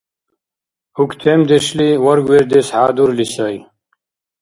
Уктемдешли варгвердес хӀядурли сай.